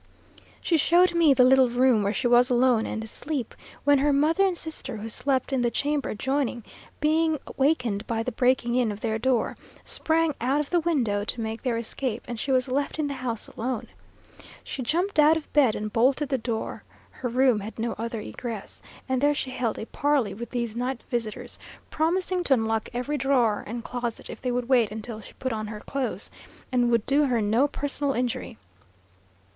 She showed me the little room where she was alone and asleep, when her mother and sister, who slept in the chamber adjoining, being wakened by the breaking in of their door, sprang out of the window to make their escape, and she was left in the house alone. She jumped out of bed and bolted the door (her room had no other egress), and there she held a parley with these night visitors, promising to unlock every drawer and closet, if they would wait till she put on her clothes, and would do her no personal injury.